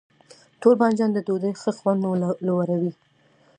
تور بانجان د ډوډۍ ښه خوند لوړوي.